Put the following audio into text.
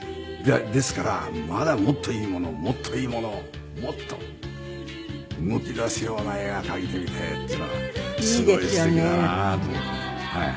ですから「まだもっといいものをもっといいものをもっと」「動き出すような絵が描いてみてえ」っていうのが。